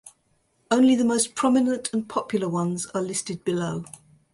Only the most prominent and popular ones are listed below.